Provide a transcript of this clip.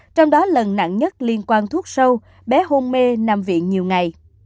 trong đó lần nặng nhất liên quan thuốc sâu bé hôn mê nằm viện nhiều ngày